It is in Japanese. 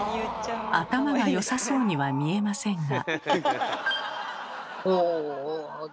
頭がよさそうには見えませんが。